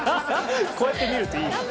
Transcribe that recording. こうやって見るといいね。